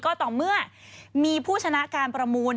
ก็ต่อเมื่อมีผู้ชนะการประมูล